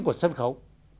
của sân khấu